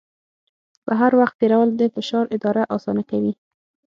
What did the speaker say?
بهر وخت تېرول د فشار اداره اسانه کوي.